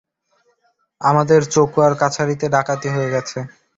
আমাদের চকুয়ার কাছারিতে ডাকাতি হয়ে গেছে!